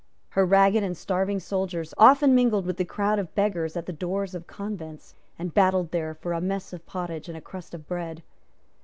Her ragged and starving soldiers often mingled with the crowd of beggars at the doors of convents, and battled there for a mess of pottage and a crust of bread.